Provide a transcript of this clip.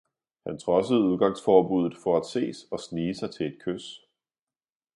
Han trodsede udgangsforbudet for at ses og snige sig til et kys.